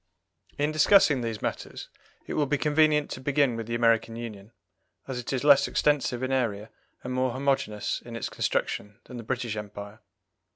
In discussing these matters it will be convenient to begin with the American Union, as it is less extensive in area and more homogeneous in its construction than the British Empire.